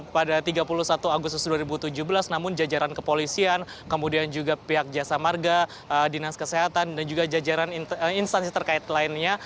pada tiga puluh satu agustus dua ribu tujuh belas namun jajaran kepolisian kemudian juga pihak jasa marga dinas kesehatan dan juga jajaran instansi terkait lainnya